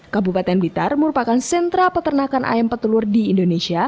kabupaten blitar merupakan sentra peternakan ayam petelur di indonesia